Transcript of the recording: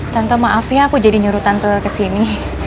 tante maaf ya aku jadi nyuruh tante kesini